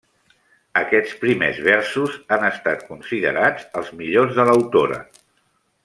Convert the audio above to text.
Aquests primers versos han estat considerats els millors de l'autora.